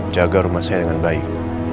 jaga rumah saya dengan baik